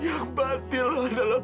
yang batil adalah